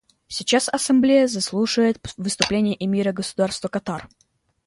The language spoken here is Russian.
Сейчас Ассамблея заслушает выступление эмира Государства Катар.